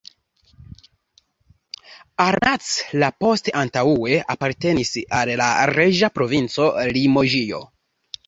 Arnac-la-Poste antaŭe apartenis al la reĝa provinco Limoĝio.